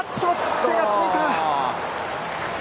手がついた。